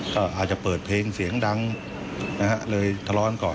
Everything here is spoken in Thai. ก็อาจจะเปิดเพลงเสียงดังเลยทะล้อนก่อน